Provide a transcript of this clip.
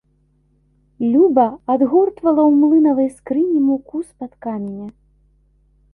Люба адгортвала ў млынавай скрыні муку з-пад каменя.